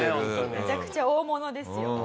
めちゃくちゃ大物ですよ。